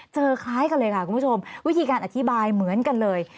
คล้ายกันเลยค่ะคุณผู้ชมวิธีการอธิบายเหมือนกันเลย